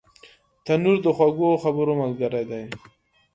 تنور د خوږو خبرو ملګری دی